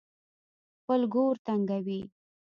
خپل ګور تنګوي.